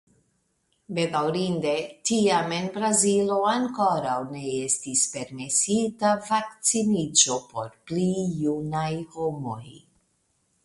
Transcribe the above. Bedaŭrinde tiam en Brazilo ankoraŭ ne estis permesita vakciniĝo por pli junaj homoj.